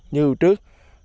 như hồi trước